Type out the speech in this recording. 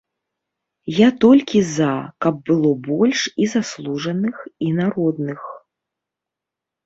Я толькі за, каб было больш і заслужаных і народных.